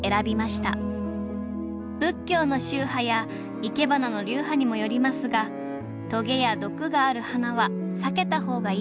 仏教の宗派やいけばなの流派にもよりますがトゲや毒がある花は避けた方がいいんだそう。